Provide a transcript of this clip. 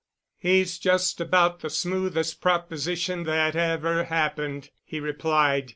"He's just about the smoothest proposition that ever happened," he replied.